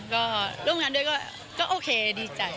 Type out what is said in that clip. ก็ร่วมงานด้วยก็โอเคดีใจ